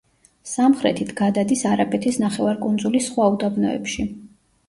სამხრეთით გადადის არაბეთის ნახევარკუნძულის სხვა უდაბნოებში.